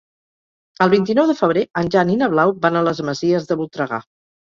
El vint-i-nou de febrer en Jan i na Blau van a les Masies de Voltregà.